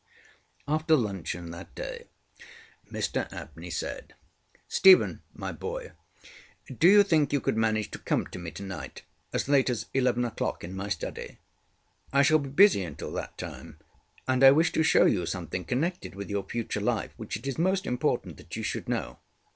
After luncheon that day Mr Abney said: ŌĆ£Stephen, my boy, do you think you could manage to come to me tonight as late as eleven oŌĆÖclock in my study? I shall be busy until that time, and I wish to show you something connected with your future life which it is most important that you should know.